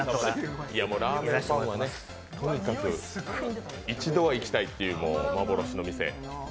ラーメンファンは、とにかく一度は行きたいという幻の店。